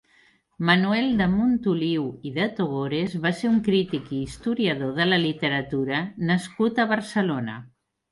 Manuel de Montoliu i de Togores va ser un crític i historiador de la literatura nascut a Barcelona.